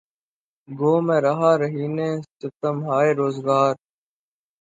گو میں رہا رہینِ ستمہائے روزگار